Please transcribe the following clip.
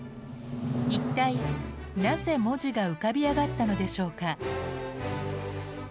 一体なぜ文字が浮かび上がったのでしょうか。